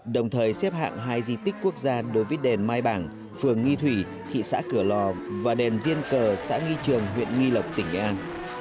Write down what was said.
đồng thời xếp hạng hai di tích quốc gia đối với đền mai bảng phường nghi thủy thị xã cửa lò và đền diên cờ xã nghi trường huyện nghi lộc tỉnh nghệ an